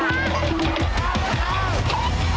อีกแล้ว